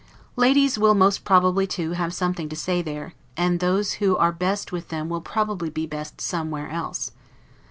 Ladies will most probably too have something to say there; and those who are best with them will probably be best SOMEWHERE ELSE.